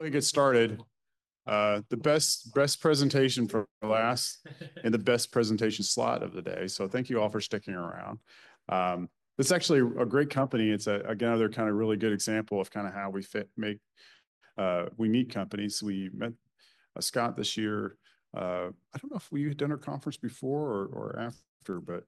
Let me get started. The best presentation for last, and the best presentation slot of the day. So thank you all for sticking around. This is actually a great company. It's, again, another kind of really good example of kind of how we fit. We meet companies. We met Scott this year. I don't know if we had done our conference before or after, but.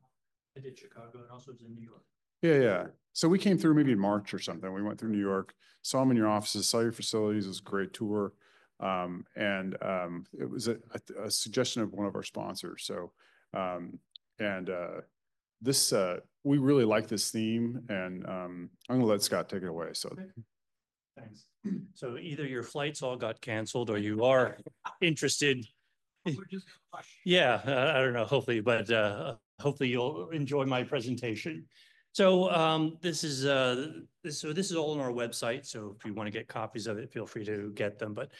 I did Chicago, and also I was in New York. Yeah, yeah, so we came through maybe March or something. We went through New York, saw them in your offices, saw your facilities. It was a great tour, and it was a suggestion of one of our sponsors. We really like this theme, and I'm going to let Scott take it away, so. Thanks. So either your flights all got canceled or you are interested. We're just going to watch. Yeah. I don't know, hopefully. But hopefully you'll enjoy my presentation. So this is all on our website. So if you want to get copies of it, feel free to get them. But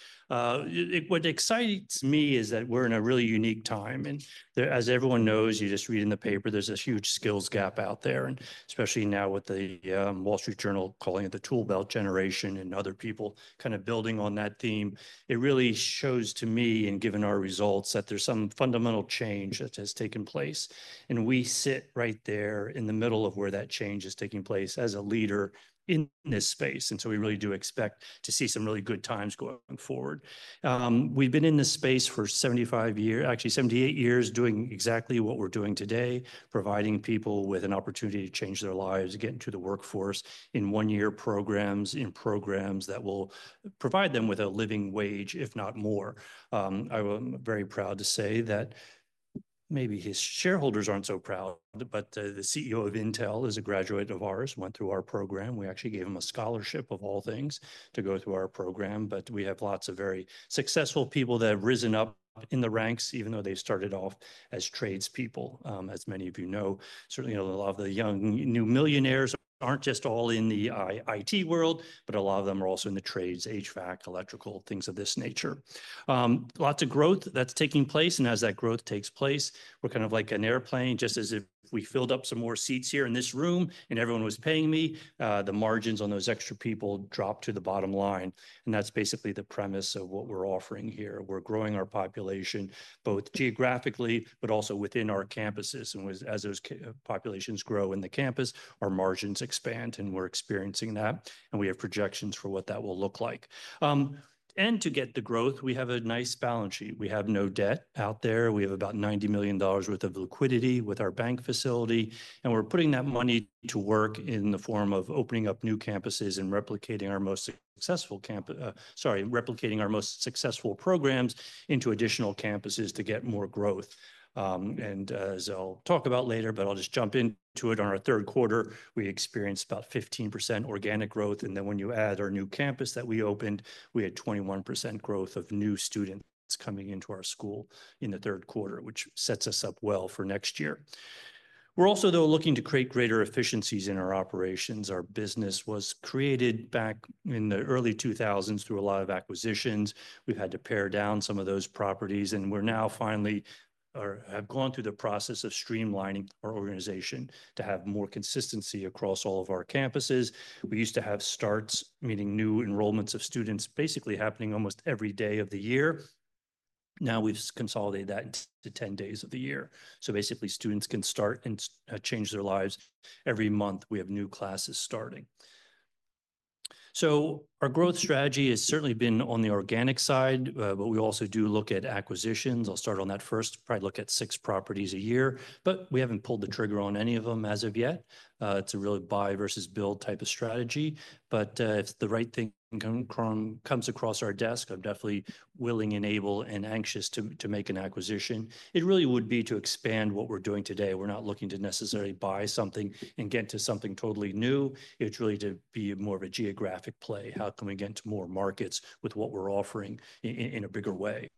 what excites me is that we're in a really unique time. And as everyone knows, you just read in the paper, there's a huge skills gap out there. And especially now with The Wall Street Journal calling it the Toolbelt Generation and other people kind of building on that theme, it really shows to me, and given our results, that there's some fundamental change that has taken place. And we sit right there in the middle of where that change is taking place as a leader in this space. And so we really do expect to see some really good times going forward. We've been in this space for 75 years, actually 78 years, doing exactly what we're doing today, providing people with an opportunity to change their lives, get into the workforce in one-year programs, in programs that will provide them with a living wage, if not more. I'm very proud to say that maybe his shareholders aren't so proud, but the CEO of Intel is a graduate of ours, went through our program. We actually gave him a scholarship, of all things, to go through our program. But we have lots of very successful people that have risen up in the ranks, even though they started off as tradespeople, as many of you know. Certainly, a lot of the young new millionaires aren't just all in the IT world, but a lot of them are also in the trades, HVAC, electrical, things of this nature. Lots of growth that's taking place. As that growth takes place, we're kind of like an airplane, just as if we filled up some more seats here in this room and everyone was paying me, the margins on those extra people drop to the bottom line. That's basically the premise of what we're offering here. We're growing our population, both geographically, but also within our campuses. As those populations grow in the campus, our margins expand, and we're experiencing that. We have projections for what that will look like. To get the growth, we have a nice balance sheet. We have no debt out there. We have about $90 million worth of liquidity with our bank facility. We're putting that money to work in the form of opening up new campuses and replicating our most successful campus sorry, replicating our most successful programs into additional campuses to get more growth. And as I'll talk about later, but I'll just jump into it. On our third quarter, we experienced about 15% organic growth. And then when you add our new campus that we opened, we had 21% growth of new students coming into our school in the third quarter, which sets us up well for next year. We're also, though, looking to create greater efficiencies in our operations. Our business was created back in the early 2000s through a lot of acquisitions. We've had to pare down some of those properties. And we're now finally have gone through the process of streamlining our organization to have more consistency across all of our campuses. We used to have starts, meaning new enrollments of students, basically happening almost every day of the year. Now we've consolidated that to 10 days of the year. So basically, students can start and change their lives. Every month, we have new classes starting. So our growth strategy has certainly been on the organic side, but we also do look at acquisitions. I'll start on that first, probably look at six properties a year. But we haven't pulled the trigger on any of them as of yet. It's a really buy versus build type of strategy. But if the right thing comes across our desk, I'm definitely willing and able and anxious to make an acquisition. It really would be to expand what we're doing today. We're not looking to necessarily buy something and get to something totally new. It's really to be more of a geographic play. How can we get to more markets with what we're offering in a bigger way?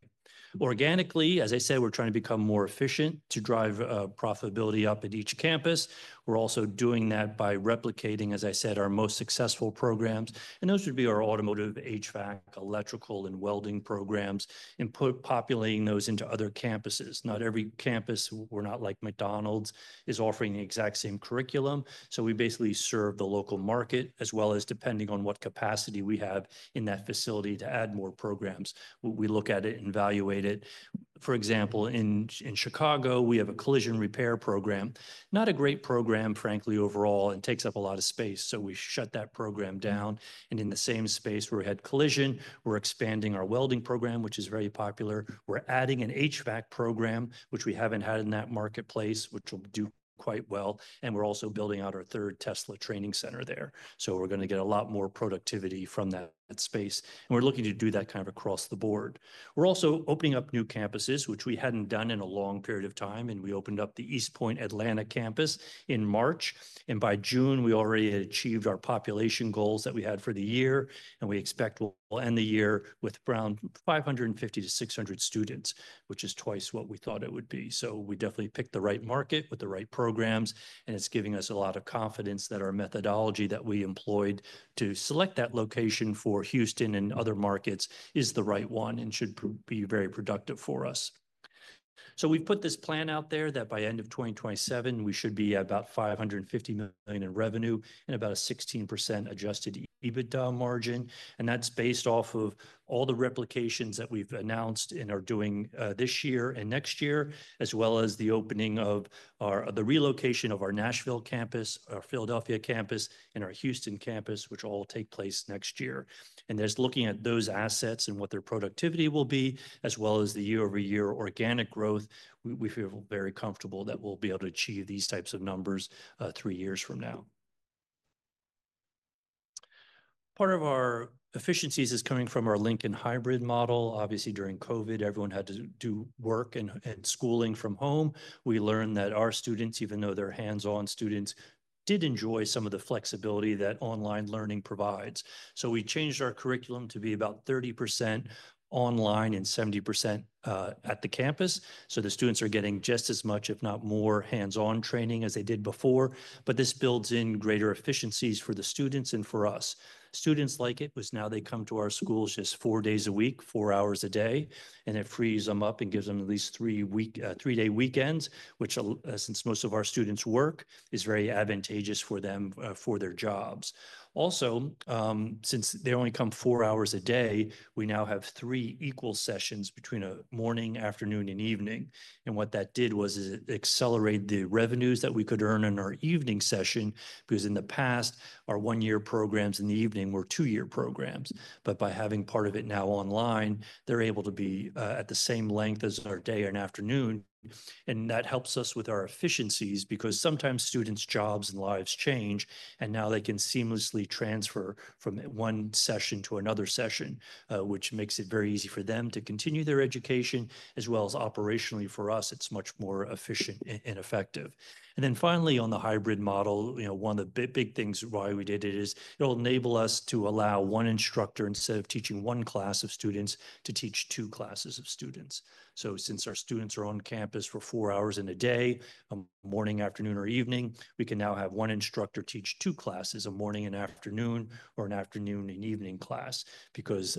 Organically, as I said, we're trying to become more efficient to drive profitability up at each campus. We're also doing that by replicating, as I said, our most successful programs. And those would be our automotive, HVAC, electrical, and welding programs, and populating those into other campuses. Not every campus, we're not like McDonald's, is offering the exact same curriculum. So we basically serve the local market, as well as depending on what capacity we have in that facility to add more programs. We look at it and evaluate it. For example, in Chicago, we have a collision repair program, not a great program, frankly, overall, and takes up a lot of space. So we shut that program down. And in the same space where we had collision, we're expanding our welding program, which is very popular. We're adding an HVAC program, which we haven't had in that marketplace, which will do quite well. And we're also building out our third Tesla training center there. So we're going to get a lot more productivity from that space. And we're looking to do that kind of across the board. We're also opening up new campuses, which we hadn't done in a long period of time. And we opened up the East Point, Atlanta campus in March. And by June, we already had achieved our population goals that we had for the year. And we expect we'll end the year with around 550-600 students, which is twice what we thought it would be. So we definitely picked the right market with the right programs. And it's giving us a lot of confidence that our methodology that we employed to select that location for Houston and other markets is the right one and should be very productive for us. We've put this plan out there that by end of 2027, we should be at about $550 million in revenue and about a 16% Adjusted EBITDA margin. That's based off of all the replications that we've announced and are doing this year and next year, as well as the opening of the relocation of our Nashville campus, our Philadelphia campus, and our Houston campus, which all take place next year. Just looking at those assets and what their productivity will be, as well as the year-over-year organic growth, we feel very comfortable that we'll be able to achieve these types of numbers three years from now. Part of our efficiencies is coming from our Lincoln Hybrid Model. Obviously, during COVID, everyone had to do work and schooling from home. We learned that our students, even though they're hands-on students, did enjoy some of the flexibility that online learning provides. So we changed our curriculum to be about 30% online and 70% at the campus. So the students are getting just as much, if not more hands-on training as they did before. But this builds in greater efficiencies for the students and for us. Students like it. Now they come to our schools just four days a week, four hours a day, and it frees them up and gives them at least three-day weekends, which, since most of our students work, is very advantageous for them for their jobs. Also, since they only come four hours a day, we now have three equal sessions between a morning, afternoon, and evening. What that did was accelerate the revenues that we could earn in our evening session because in the past, our one-year programs in the evening were two-year programs. By having part of it now online, they're able to be at the same length as our day and afternoon. That helps us with our efficiencies because sometimes students' jobs and lives change, and now they can seamlessly transfer from one session to another session, which makes it very easy for them to continue their education, as well as operationally for us, it's much more efficient and effective. Finally, on the hybrid model, one of the big things why we did it is it'll enable us to allow one instructor instead of teaching one class of students to teach two classes of students. Since our students are on campus for four hours in a day, a morning, afternoon, or evening, we can now have one instructor teach two classes, a morning and afternoon or an afternoon and evening class, because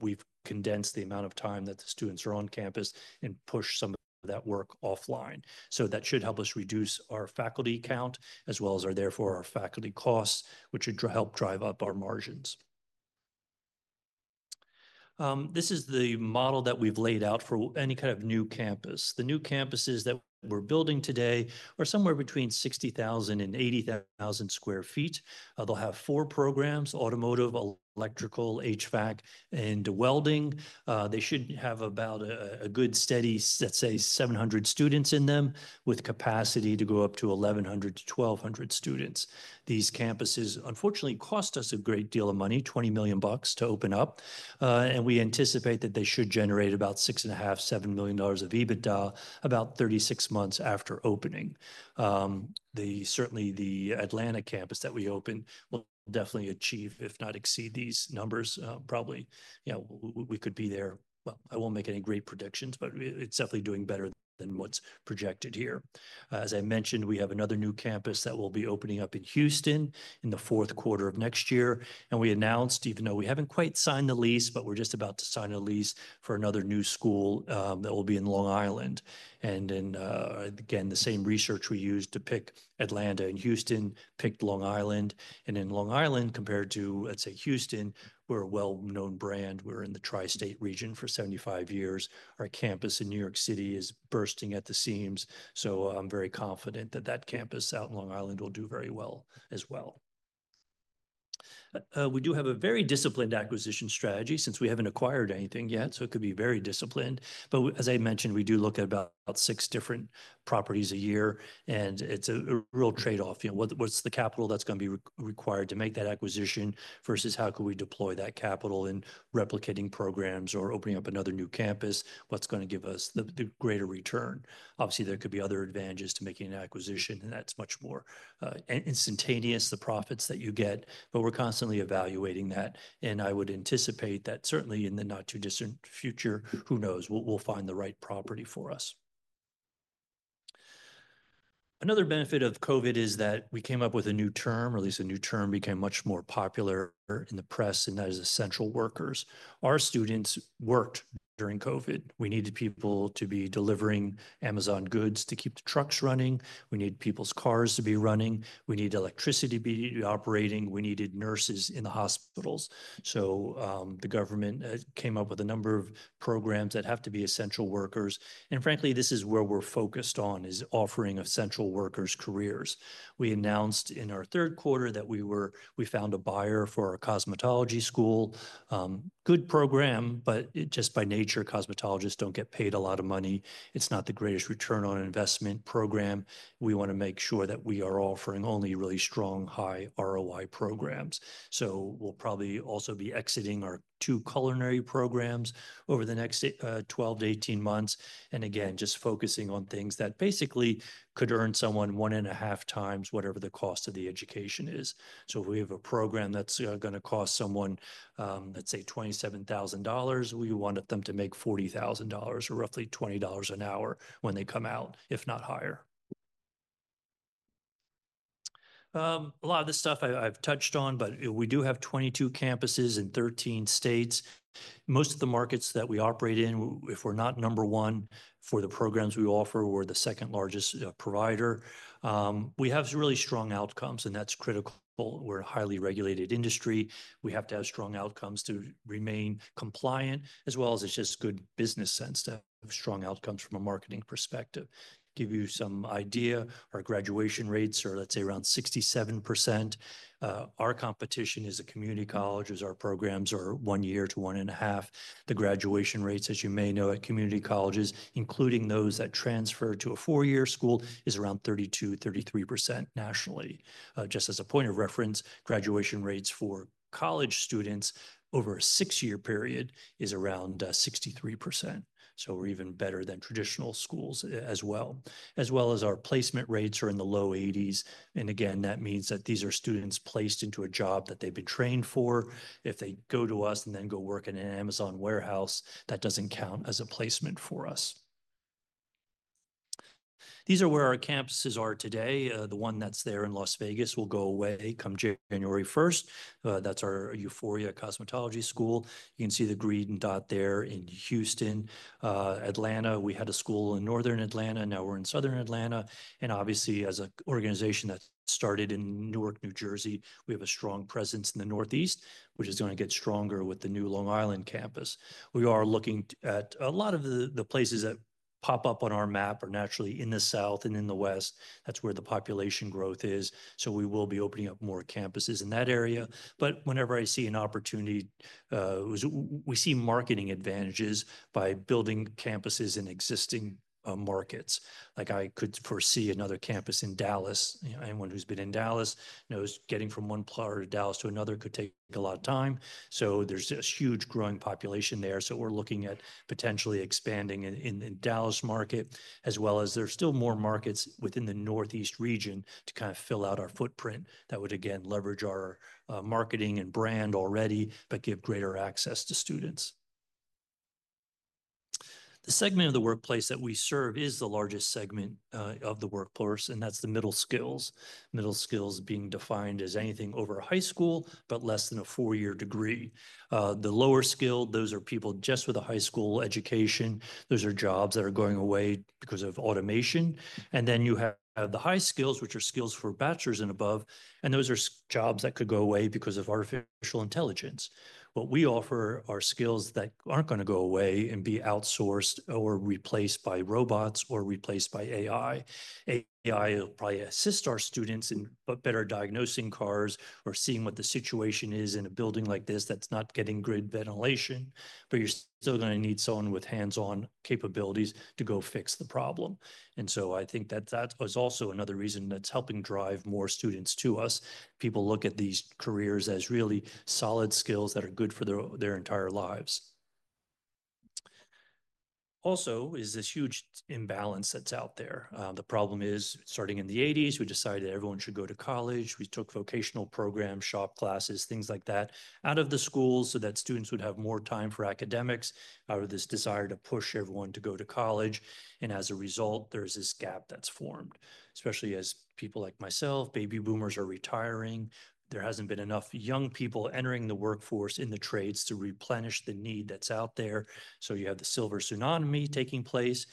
we've condensed the amount of time that the students are on campus and push some of that work offline. That should help us reduce our faculty count, as well as therefore our faculty costs, which should help drive up our margins. This is the model that we've laid out for any kind of new campus. The new campuses that we're building today are somewhere between 60,000 sq ft and 80,000 sq ft. They'll have four programs: automotive, electrical, HVAC, and welding. They should have about a good steady, let's say, 700 students in them with capacity to go up to 1,100 to 1,200 students. These campuses, unfortunately, cost us a great deal of money: $20 million to open up, and we anticipate that they should generate about $6.5 million-$7 million of EBITDA about 36 months after opening. Certainly, the Atlanta campus that we opened will definitely achieve, if not exceed, these numbers. Probably, yeah, we could be there. Well, I won't make any great predictions, but it's definitely doing better than what's projected here. As I mentioned, we have another new campus that will be opening up in Houston in the fourth quarter of next year, and we announced, even though we haven't quite signed the lease, but we're just about to sign a lease for another new school that will be in Long Island, and then, again, the same research we used to pick Atlanta and Houston picked Long Island. And in Long Island, compared to, let's say, Houston, we're a well-known brand. We're in the tri-state region for 75 years. Our campus in New York City is bursting at the seams. So I'm very confident that that campus out in Long Island will do very well as well. We do have a very disciplined acquisition strategy since we haven't acquired anything yet. So it could be very disciplined. But as I mentioned, we do look at about six different properties a year. And it's a real trade-off. What's the capital that's going to be required to make that acquisition versus how can we deploy that capital in replicating programs or opening up another new campus? What's going to give us the greater return? Obviously, there could be other advantages to making an acquisition, and that's much more instantaneous, the profits that you get. But we're constantly evaluating that. I would anticipate that certainly in the not too distant future, who knows, we'll find the right property for us. Another benefit of COVID is that we came up with a new term, or at least a new term became much more popular in the press, and that is essential workers. Our students worked during COVID. We needed people to be delivering Amazon goods to keep the trucks running. We needed people's cars to be running. We needed electricity to be operating. We needed nurses in the hospitals. So the government came up with a number of programs that have to be essential workers. And frankly, this is where we're focused on, is offering essential workers' careers. We announced in our third quarter that we found a buyer for our cosmetology school. Good program, but just by nature, cosmetologists don't get paid a lot of money. It's not the greatest return on investment program. We want to make sure that we are offering only really strong, high ROI programs, so we'll probably also be exiting our two culinary programs over the next 12 to 18 months, and again, just focusing on things that basically could earn someone one and a half times whatever the cost of the education is, so if we have a program that's going to cost someone, let's say, $27,000, we wanted them to make $40,000 or roughly $20 an hour when they come out, if not higher. A lot of this stuff I've touched on, but we do have 22 campuses in 13 states. Most of the markets that we operate in, if we're not number one for the programs we offer, we're the second largest provider. We have really strong outcomes, and that's critical. We're a highly regulated industry. We have to have strong outcomes to remain compliant, as well as it's just good business sense to have strong outcomes from a marketing perspective. To give you some idea, our graduation rates are, let's say, around 67%. Our competition is a community colleges. Our programs are one year to one and a half. The graduation rates, as you may know, at community colleges, including those that transfer to a four-year school, is around 32%, 33% nationally. Just as a point of reference, graduation rates for college students over a six-year period is around 63%. So we're even better than traditional schools as well. As well as our placement rates are in the low 80s. And again, that means that these are students placed into a job that they've been trained for. If they go to us and then go work in an Amazon warehouse, that doesn't count as a placement for us. These are where our campuses are today. The one that's there in Las Vegas will go away come January 1st. That's our Euphoria Cosmetology School. You can see the green dot there in Houston. Atlanta, we had a school in northern Atlanta. Now we're in southern Atlanta, and obviously, as an organization that started in Newark, New Jersey, we have a strong presence in the northeast, which is going to get stronger with the new Long Island campus. We are looking at a lot of the places that pop up on our map are naturally in the south and in the west. That's where the population growth is, so we will be opening up more campuses in that area. But whenever I see an opportunity, we see marketing advantages by building campuses in existing markets. Like I could foresee another campus in Dallas. Anyone who's been in Dallas knows getting from one part of Dallas to another could take a lot of time. So there's a huge growing population there. So we're looking at potentially expanding in the Dallas market, as well as there's still more markets within the northeast region to kind of fill out our footprint that would, again, leverage our marketing and brand already, but give greater access to students. The segment of the workplace that we serve is the largest segment of the workforce, and that's the middle skills. Middle skills being defined as anything over high school, but less than a four-year degree. The lower skill, those are people just with a high school education. Those are jobs that are going away because of automation. And then you have the high skills, which are skills for bachelor's and above. And those are jobs that could go away because of artificial intelligence. What we offer are skills that aren't going to go away and be outsourced or replaced by robots or replaced by AI. AI will probably assist our students in better diagnosing cars or seeing what the situation is in a building like this that's not getting grid ventilation. But you're still going to need someone with hands-on capabilities to go fix the problem. And so I think that that was also another reason that's helping drive more students to us. People look at these careers as really solid skills that are good for their entire lives. Also, there's this huge imbalance that's out there. The problem is starting in the 1980s, we decided everyone should go to college. We took vocational programs, shop classes, things like that, out of the schools so that students would have more time for academics, out of this desire to push everyone to go to college, and as a result, there's this gap that's formed, especially as people like myself, baby boomers are retiring. There hasn't been enough young people entering the workforce in the trades to replenish the need that's out there, so you have the silver tsunami taking place.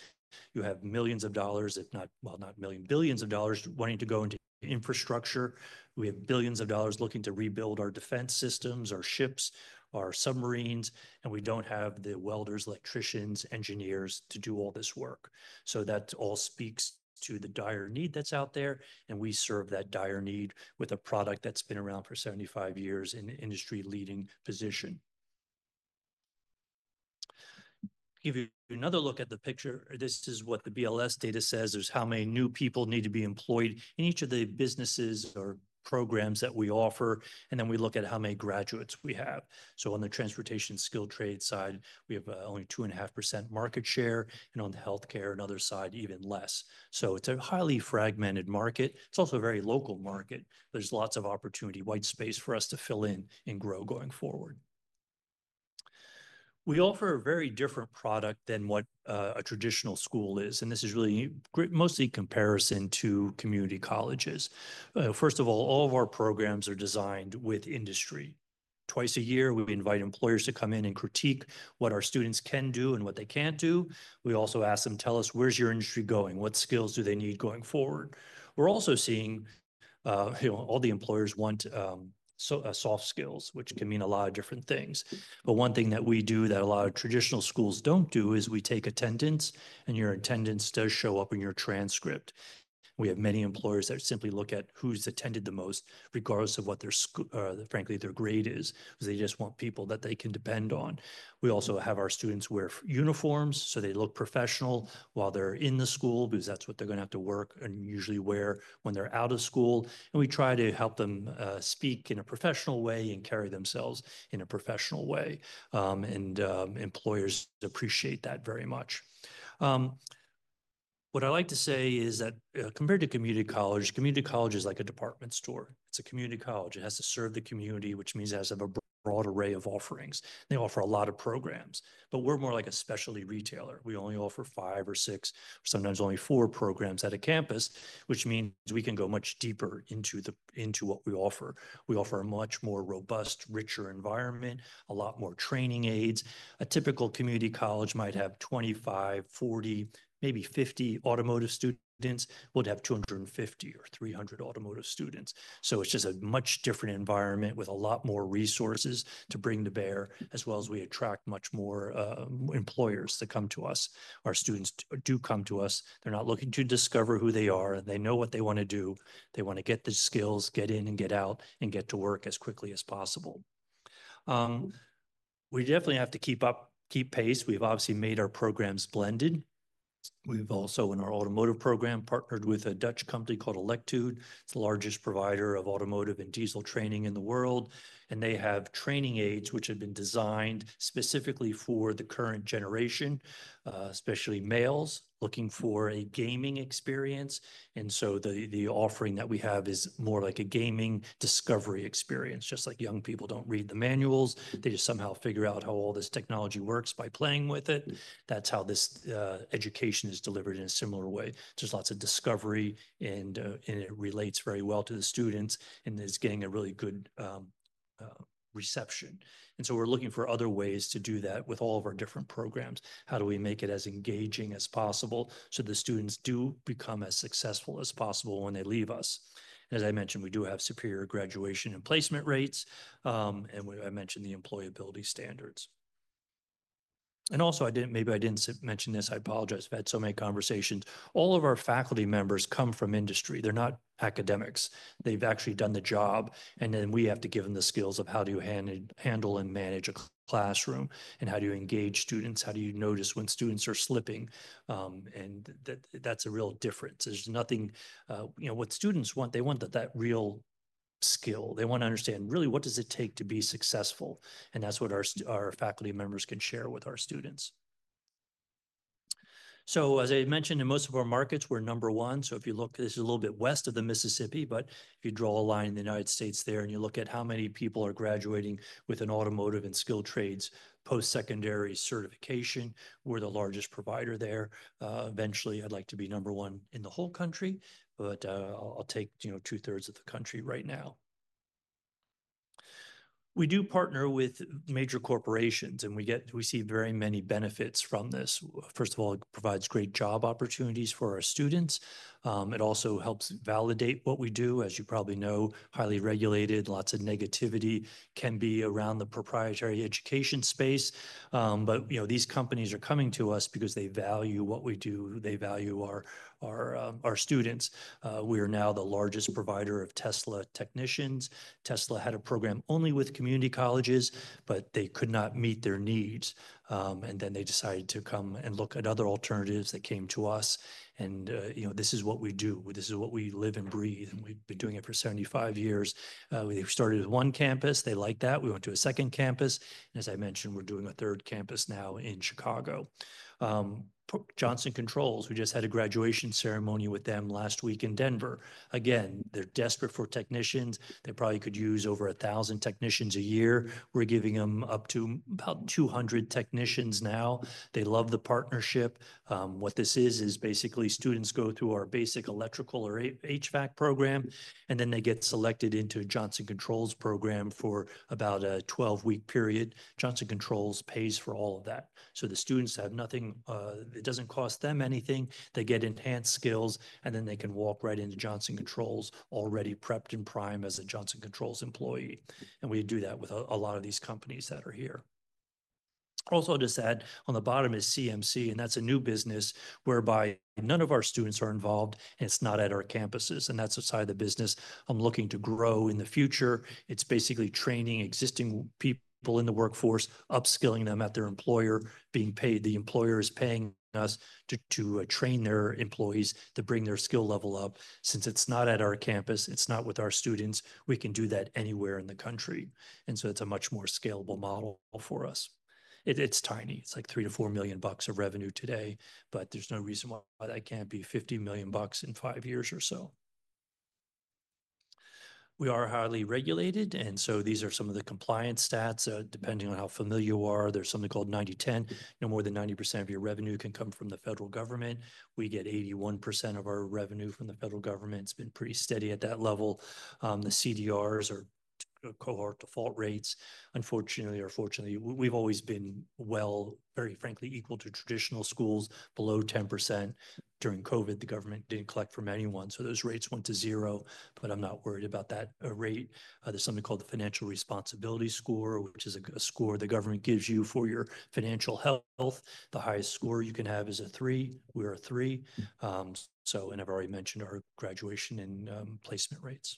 You have millions of dollars, if not, well, not millions, billions of dollars wanting to go into infrastructure. We have billions of dollars looking to rebuild our defense systems, our ships, our submarines, and we don't have the welders, electricians, engineers to do all this work, so that all speaks to the dire need that's out there. And we serve that dire need with a product that's been around for 75 years in an industry-leading position. Give you another look at the picture. This is what the BLS data says. There's how many new people need to be employed in each of the businesses or programs that we offer. And then we look at how many graduates we have. So on the transportation skilled trade side, we have only 2.5% market share. And on the healthcare and other side, even less. So it's a highly fragmented market. It's also a very local market. There's lots of opportunity, white space for us to fill in and grow going forward. We offer a very different product than what a traditional school is. And this is really mostly comparison to community colleges. First of all, all of our programs are designed with industry. Twice a year, we invite employers to come in and critique what our students can do and what they can't do. We also ask them, tell us, where's your industry going? What skills do they need going forward? We're also seeing all the employers want soft skills, which can mean a lot of different things. But one thing that we do that a lot of traditional schools don't do is we take attendance, and your attendance does show up in your transcript. We have many employers that simply look at who's attended the most, regardless of what their, frankly, their grade is, because they just want people that they can depend on. We also have our students wear uniforms so they look professional while they're in the school, because that's what they're going to have to work and usually wear when they're out of school. We try to help them speak in a professional way and carry themselves in a professional way. Employers appreciate that very much. What I like to say is that compared to community college, community college is like a department store. It's a community college. It has to serve the community, which means it has to have a broad array of offerings. They offer a lot of programs, but we're more like a specialty retailer. We only offer five or six, sometimes only four programs at a campus, which means we can go much deeper into what we offer. We offer a much more robust, richer environment, a lot more training aids. A typical community college might have 25, 40, maybe 50 automotive students. We'll have 250 or 300 automotive students. So it's just a much different environment with a lot more resources to bring to bear, as well as we attract much more employers to come to us. Our students do come to us. They're not looking to discover who they are. They know what they want to do. They want to get the skills, get in and get out, and get to work as quickly as possible. We definitely have to keep up, keep pace. We've obviously made our programs blended. We've also, in our automotive program, partnered with a Dutch company called Electude. It's the largest provider of automotive and diesel training in the world. And they have training aids which have been designed specifically for the current generation, especially males looking for a gaming experience. And so the offering that we have is more like a gaming discovery experience. Just like young people don't read the manuals, they just somehow figure out how all this technology works by playing with it. That's how this education is delivered in a similar way. There's lots of discovery, and it relates very well to the students, and it's getting a really good reception, and so we're looking for other ways to do that with all of our different programs. How do we make it as engaging as possible so the students do become as successful as possible when they leave us? As I mentioned, we do have superior graduation and placement rates, and I mentioned the employability standards, and also, I didn't, maybe I didn't mention this. I apologize. I've had so many conversations. All of our faculty members come from industry. They're not academics. They've actually done the job. And then we have to give them the skills of how to handle and manage a classroom and how to engage students. How do you notice when students are slipping? And that's a real difference. There's nothing. You know what students want. They want that real skill. They want to understand really what does it take to be successful. And that's what our faculty members can share with our students. So, as I mentioned, in most of our markets, we're number one. So if you look, this is a little bit west of the Mississippi, but if you draw a line in the United States there and you look at how many people are graduating with an automotive and skilled trades post-secondary certification, we're the largest provider there. Eventually, I'd like to be number one in the whole country, but I'll take, you know, two-thirds of the country right now. We do partner with major corporations, and we get, we see very many benefits from this. First of all, it provides great job opportunities for our students. It also helps validate what we do. As you probably know, highly regulated, lots of negativity can be around the proprietary education space. But, you know, these companies are coming to us because they value what we do. They value our students. We are now the largest provider of Tesla technicians. Tesla had a program only with community colleges, but they could not meet their needs. And then they decided to come and look at other alternatives that came to us. And, you know, this is what we do. This is what we live and breathe. And we've been doing it for 75 years. We started with one campus. They liked that. We went to a second campus. And as I mentioned, we're doing a third campus now in Chicago. Johnson Controls, we just had a graduation ceremony with them last week in Denver. Again, they're desperate for technicians. They probably could use over a thousand technicians a year. We're giving them up to about 200 technicians now. They love the partnership. What this is, is basically students go through our basic electrical or HVAC program, and then they get selected into Johnson Controls program for about a 12-week period. Johnson Controls pays for all of that. So the students have nothing. It doesn't cost them anything. They get enhanced skills, and then they can walk right into Johnson Controls already prepped and primed as a Johnson Controls employee. And we do that with a lot of these companies that are here. Also, I'll just add, on the bottom is CMC, and that's a new business whereby none of our students are involved, and it's not at our campuses, and that's a side of the business I'm looking to grow in the future. It's basically training existing people in the workforce, upskilling them at their employer, being paid. The employer is paying us to train their employees to bring their skill level up. Since it's not at our campus, it's not with our students, we can do that anywhere in the country, and so it's a much more scalable model for us. It's tiny. It's like $3 million-$4 million of revenue today, but there's no reason why that can't be $50 million in five years or so. We are highly regulated, and so these are some of the compliance stats. Depending on how familiar you are, there's something called 90/10. No more than 90% of your revenue can come from the federal government. We get 81% of our revenue from the federal government. It's been pretty steady at that level. The CDRs are Cohort Default Rates, unfortunately or fortunately. We've always been well, very frankly, equal to traditional schools, below 10%. During COVID, the government didn't collect from anyone, so those rates went to zero, but I'm not worried about that rate. There's something called the Financial Responsibility Score, which is a score the government gives you for your financial health. The highest score you can have is a three. We are a three. So, and I've already mentioned our graduation and placement rates.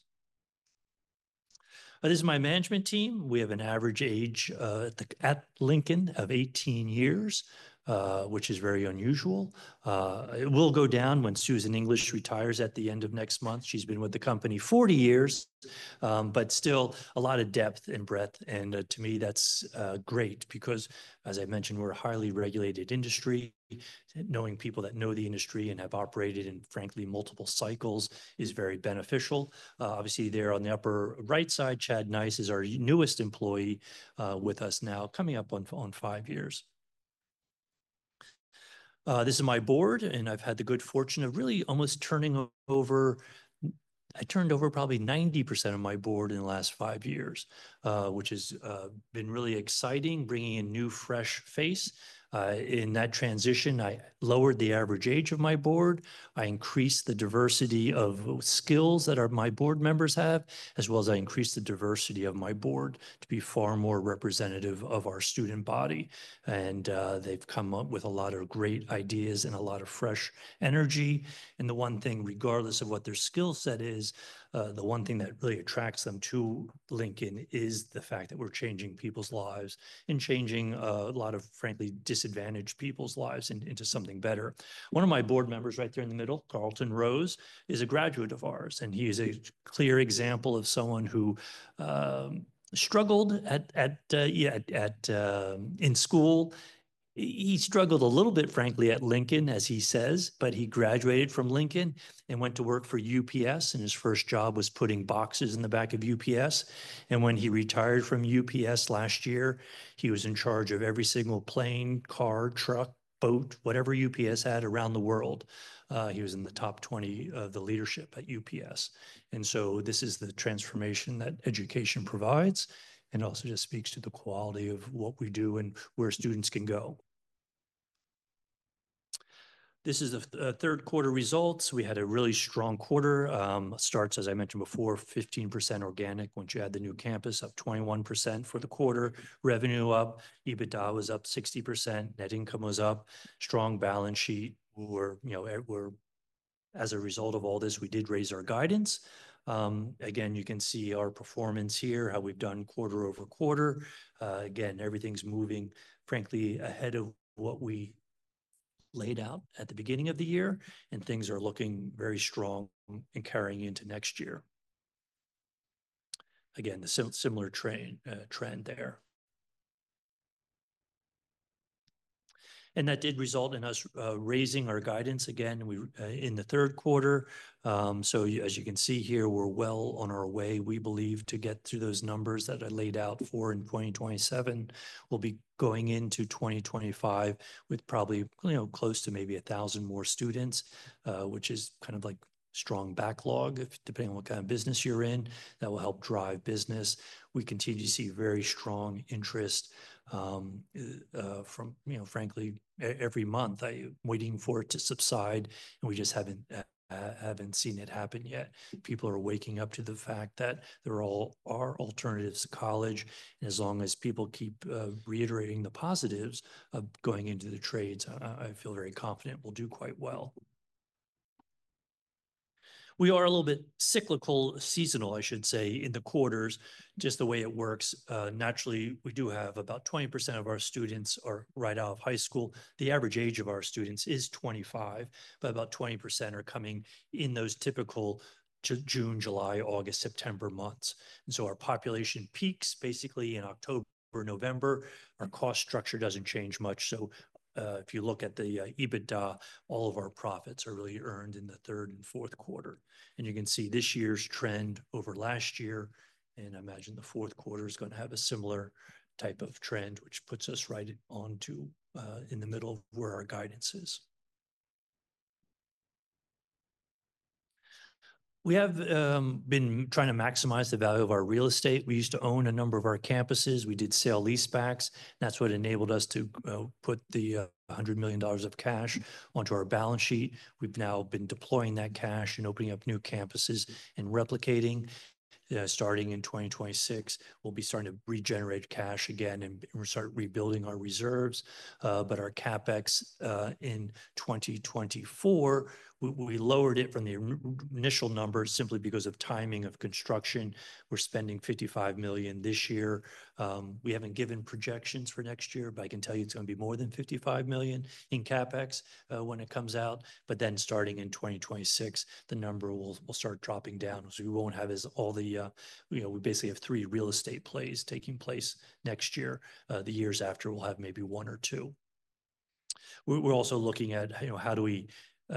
This is my management team. We have an average age at Lincoln of 18 years, which is very unusual. It will go down when Susan English retires at the end of next month. She's been with the company 40 years, but still a lot of depth and breadth, and to me, that's great because, as I mentioned, we're a highly regulated industry. Knowing people that know the industry and have operated in, frankly, multiple cycles is very beneficial. Obviously, there on the upper right side, Chad Nyce is our newest employee with us now, coming up on five years. This is my board, and I've had the good fortune of really almost turning over. I turned over probably 90% of my board in the last five years, which has been really exciting, bringing a new fresh face. In that transition, I lowered the average age of my board. I increased the diversity of skills that my board members have, as well as I increased the diversity of my board to be far more representative of our student body, and they've come up with a lot of great ideas and a lot of fresh energy, and the one thing, regardless of what their skill set is, the one thing that really attracts them to Lincoln is the fact that we're changing people's lives and changing a lot of, frankly, disadvantaged people's lives into something better. One of my board members right there in the middle, Carlton Rose, is a graduate of ours, and he is a clear example of someone who struggled at, yeah, in school. He struggled a little bit, frankly, at Lincoln, as he says, but he graduated from Lincoln and went to work for UPS, and his first job was putting boxes in the back of UPS, and when he retired from UPS last year, he was in charge of every single plane, car, truck, boat, whatever UPS had around the world. He was in the top 20 of the leadership at UPS, and so this is the transformation that education provides and also just speaks to the quality of what we do and where students can go. This is the third quarter results. We had a really strong quarter. Starts, as I mentioned before, 15% organic once you had the new campus up, 21% for the quarter. Revenue up. EBITDA was up 60%. Net income was up. Strong balance sheet. We were, you know, as a result of all this, we did raise our guidance. Again, you can see our performance here, how we've done quarter over quarter. Again, everything's moving, frankly, ahead of what we laid out at the beginning of the year, and things are looking very strong and carrying into next year. Again, the similar trend there. And that did result in us raising our guidance again in the third quarter. So, as you can see here, we're well on our way, we believe, to get through those numbers that I laid out for in 2027. We'll be going into 2025 with probably, you know, close to maybe a thousand more students, which is kind of like strong backlog, depending on what kind of business you're in, that will help drive business. We continue to see very strong interest from, you know, frankly, every month. I'm waiting for it to subside, and we just haven't seen it happen yet. People are waking up to the fact that there are alternatives to college, and as long as people keep reiterating the positives of going into the trades, I feel very confident we'll do quite well. We are a little bit cyclical, seasonal, I should say, in the quarters, just the way it works. Naturally, we do have about 20% of our students are right out of high school. The average age of our students is 25, but about 20% are coming in those typical June, July, August, September months, and so our population peaks basically in October, November. Our cost structure doesn't change much. So if you look at the EBITDA, all of our profits are really earned in the third and fourth quarter, and you can see this year's trend over last year. And I imagine the fourth quarter is going to have a similar type of trend, which puts us right onto in the middle of where our guidance is. We have been trying to maximize the value of our real estate. We used to own a number of our campuses. We did sale lease backs. That's what enabled us to put the $100 million of cash onto our balance sheet. We've now been deploying that cash and opening up new campuses and replicating. Starting in 2026, we'll be starting to regenerate cash again and start rebuilding our reserves. But our CapEx in 2024, we lowered it from the initial number simply because of timing of construction. We're spending $55 million this year. We haven't given projections for next year, but I can tell you it's going to be more than $55 million in CapEx when it comes out. But then starting in 2026, the number will start dropping down. So we won't have all the, you know, we basically have three real estate plays taking place next year. The years after, we'll have maybe one or two. We're also looking at, you know, how do we,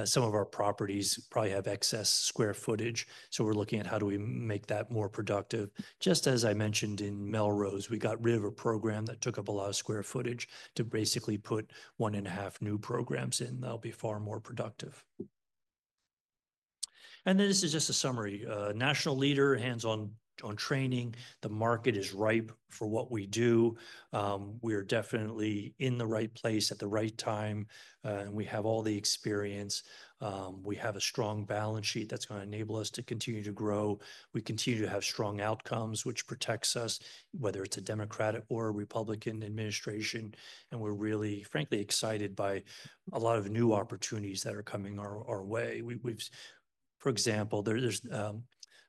some of our properties probably have excess square footage. So we're looking at how do we make that more productive. Just as I mentioned in Melrose, we got rid of a program that took up a lot of square footage to basically put one and a half new programs in. They'll be far more productive. And then this is just a summary. National leader hands-on training. The market is ripe for what we do. We are definitely in the right place at the right time. And we have all the experience. We have a strong balance sheet that's going to enable us to continue to grow. We continue to have strong outcomes, which protects us, whether it's a Democratic or a Republican administration, and we're really, frankly, excited by a lot of new opportunities that are coming our way. We've, for example, there's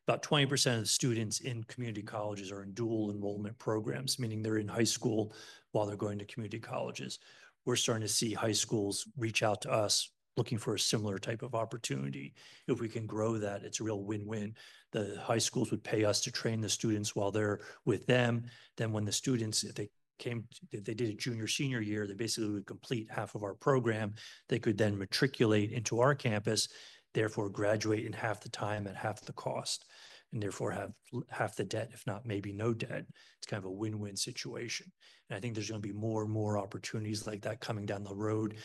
about 20% of the students in community colleges are in dual enrollment programs, meaning they're in high school while they're going to community colleges. We're starting to see high schools reach out to us looking for a similar type of opportunity. If we can grow that, it's a real win-win. The high schools would pay us to train the students while they're with them. Then when the students, if they came, if they did a junior-senior year, they basically would complete half of our program. They could then matriculate into our campus, therefore graduate in half the time at half the cost, and therefore have half the debt, if not maybe no debt. It's kind of a win-win situation, and I think there's going to be more and more opportunities like that coming down the road,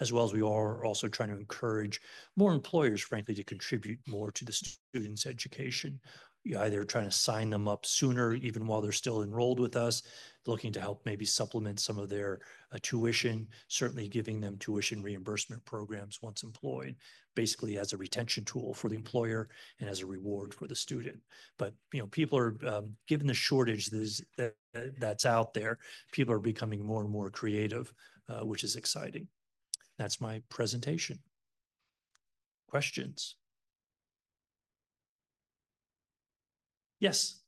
as well as we are also trying to encourage more employers, frankly, to contribute more to the students' education. You either try to sign them up sooner, even while they're still enrolled with us, looking to help maybe supplement some of their tuition, certainly giving them tuition reimbursement programs once employed, basically as a retention tool for the employer and as a reward for the student, but you know, people are given the shortage that's out there. People are becoming more and more creative, which is exciting. That's my presentation. Questions? Yes.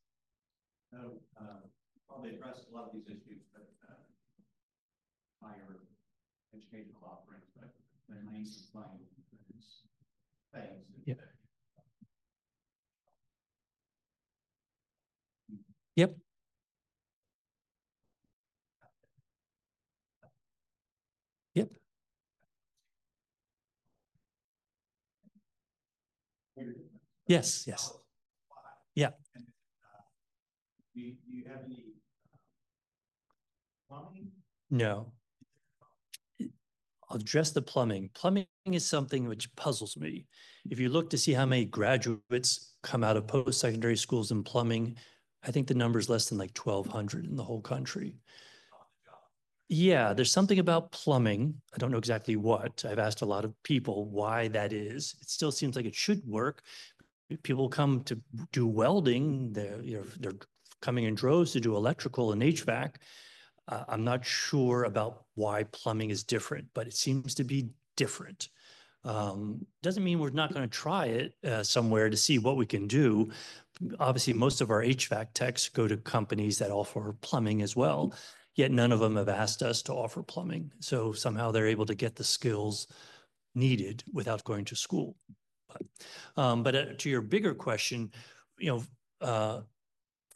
I'll address a lot of these issues, but higher educational offerings. Yep. Yep. Yes, yes. Yeah. Do you have any plumbing? No. I'll address the plumbing. Plumbing is something which puzzles me. If you look to see how many graduates come out of post-secondary schools in plumbing, I think the number is less than like 1,200 in the whole country. Yeah, there's something about plumbing. I don't know exactly what. I've asked a lot of people why that is. It still seems like it should work. People come to do welding. They're coming in droves to do electrical and HVAC. I'm not sure about why plumbing is different, but it seems to be different. Doesn't mean we're not going to try it somewhere to see what we can do. Obviously, most of our HVAC techs go to companies that offer plumbing as well, yet none of them have asked us to offer plumbing. So somehow they're able to get the skills needed without going to school. But to your bigger question, you know,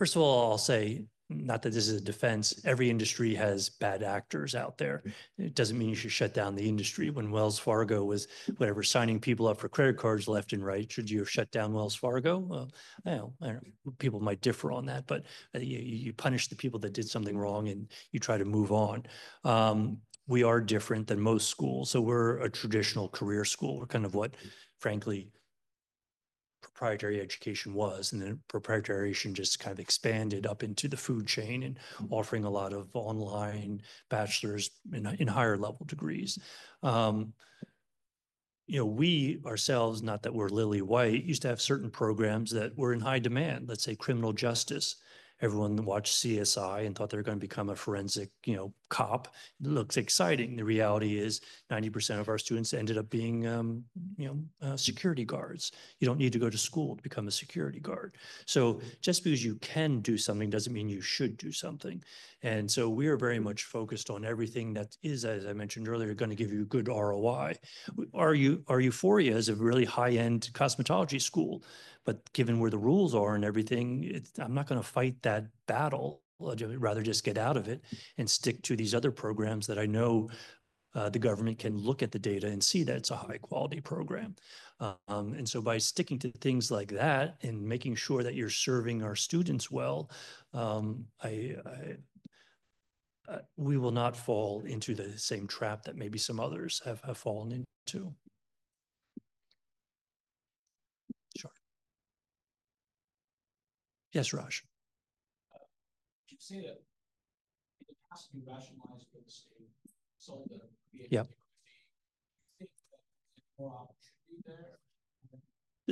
first of all, I'll say not that this is a defense. Every industry has bad actors out there. It doesn't mean you should shut down the industry. When Wells Fargo was, whatever, signing people up for credit cards left and right, should you have shut down Wells Fargo? I don't know. People might differ on that, but you punish the people that did something wrong and you try to move on. We are different than most schools. So we're a traditional career school. We're kind of what, frankly, proprietary education was. Proprietary education just kind of expanded up into the food chain and offering a lot of online bachelor's and higher level degrees. You know, we ourselves, not that we're lily white, used to have certain programs that were in high demand. Let's say criminal justice. Everyone watched CSI and thought they were going to become a forensic, you know, cop. It looks exciting. The reality is 90% of our students ended up being, you know, security guards. You don't need to go to school to become a security guard. So just because you can do something doesn't mean you should do something. And so we are very much focused on everything that is, as I mentioned earlier, going to give you a good ROI. Our Euphoria is a really high-end cosmetology school. But given where the rules are and everything, I'm not going to fight that battle. I'd rather just get out of it and stick to these other programs that I know the government can look at the data and see that it's a high-quality program. And so by sticking to things like that and making sure that you're serving our students well, we will not fall into the same trap that maybe some others have fallen into. Sure. Yes, Raj. You say that in the past, you rationalized our real estate, sold the VAD company. Do you think that there's more opportunity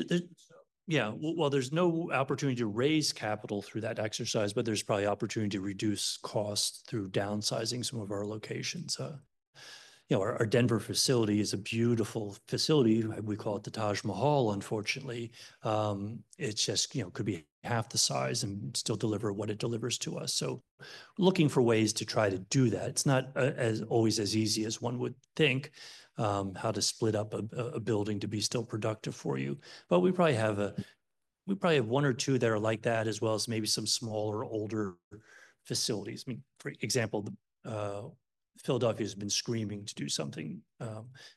there? Yeah, well, there's no opportunity to raise capital through that exercise, but there's probably opportunity to reduce costs through downsizing some of our locations. You know, our Denver facility is a beautiful facility. We call it the Taj Mahal, unfortunately. It's just, you know, could be half the size and still deliver what it delivers to us. So looking for ways to try to do that. It's not always as easy as one would think how to split up a building to be still productive for you. But we probably have one or two that are like that, as well as maybe some smaller older facilities. I mean, for example, Philadelphia has been screaming to do something.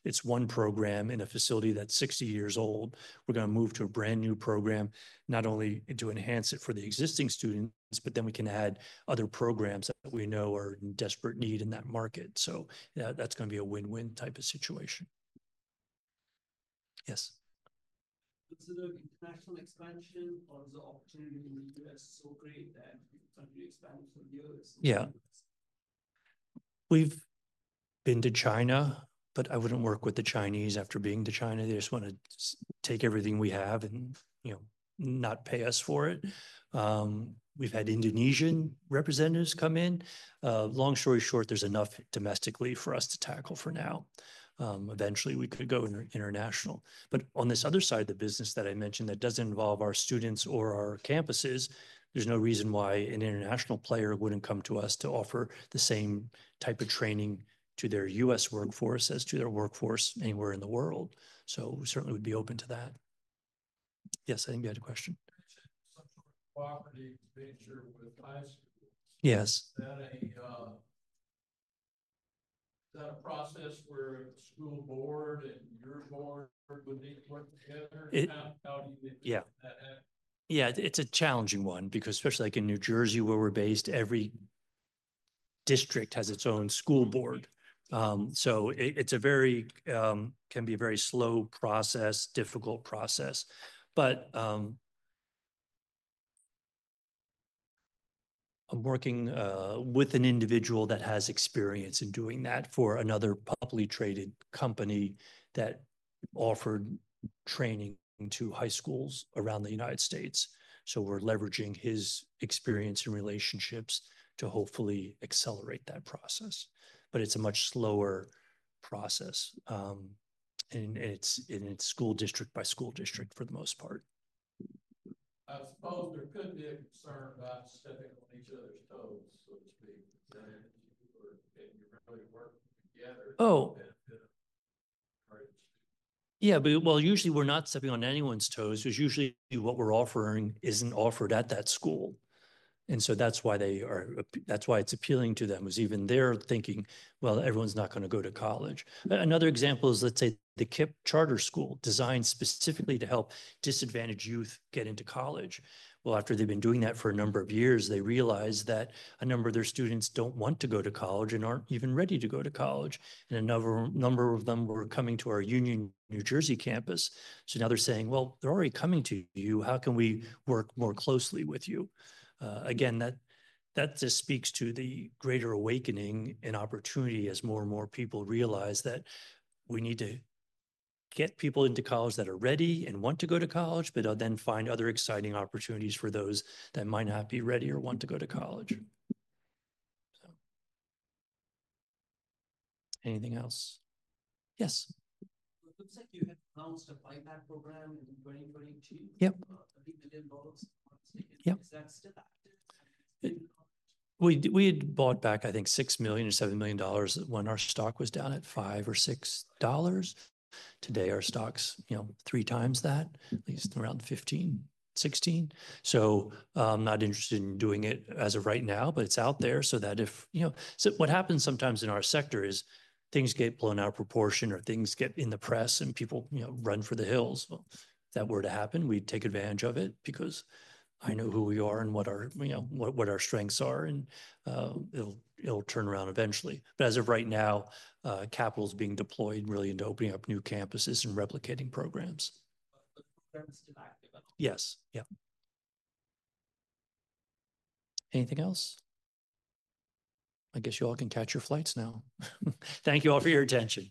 It's one program in a facility that's 60 years old. We're going to move to a brand new program, not only to enhance it for the existing students, but then we can add other programs that we know are in desperate need in that market. So that's going to be a win-win type of situation. Yes. Was it a national expansion or was the opportunity in the U.S. so great that the country expanded for years? Yeah. We've been to China, but I wouldn't work with the Chinese after being to China. They just want to take everything we have and, you know, not pay us for it. We've had Indonesian representatives come in. Long story short, there's enough domestically for us to tackle for now. Eventually, we could go international, but on this other side of the business that I mentioned that doesn't involve our students or our campuses, there's no reason why an international player wouldn't come to us to offer the same type of training to their U.S. workforce as to their workforce anywhere in the world. So we certainly would be open to that. Yes, I think you had a question. Property venture with high schools. Yes. Is that a process where the school board and your board would need to work together? How do you make that happen? Yeah, it's a challenging one because especially like in New Jersey, where we're based, every district has its own school board. So it's a very, can be a very slow process, difficult process. But I'm working with an individual that has experience in doing that for another publicly traded company that offered training to high schools around the United States. So we're leveraging his experience and relationships to hopefully accelerate that process. But it's a much slower process. And it's in school district by school district for the most part. I suppose there could be a concern about stepping on each other's toes, so to speak. Is that an issue or can you really work together? Oh, yeah, well, usually we're not stepping on anyone's toes. It's usually what we're offering isn't offered at that school. And so that's why they are, that's why it's appealing to them is even they're thinking, well, everyone's not going to go to college. Another example is, let's say the KIPP Charter School designed specifically to help disadvantaged youth get into college. Well, after they've been doing that for a number of years, they realize that a number of their students don't want to go to college and aren't even ready to go to college. And a number of them were coming to our Union, New Jersey campus. So now they're saying, well, they're already coming to you. How can we work more closely with you? Again, that just speaks to the greater awakening and opportunity as more and more people realize that we need to get people into college that are ready and want to go to college, but then find other exciting opportunities for those that might not be ready or want to go to college. Anything else? Yes. It looks like you had announced a buyback program in 2022. Yep. $30 million. Is that still active? We had bought back, I think, $6 million or $7 million when our stock was down at $5 or $6. Today, our stock's, you know, three times that, at least around $15, $16. So I'm not interested in doing it as of right now, but it's out there so that if, you know, so what happens sometimes in our sector is things get blown out of proportion or things get in the press and people, you know, run for the hills. If that were to happen, we'd take advantage of it because I know who we are and what our, you know, what our strengths are and it'll turn around eventually. But as of right now, capital is being deployed really into opening up new campuses and replicating programs. But the program is still active. Yes. Yeah. Anything else? I guess you all can catch your flights now. Thank you all for your attention.